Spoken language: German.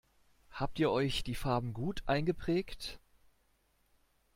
Habt ihr euch die Farben gut eingeprägt?